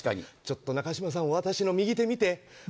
中島さん、私の右手を見て。